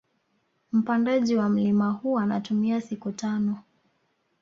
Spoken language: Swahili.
Mpandaji wa mlima huu anatumia siku tano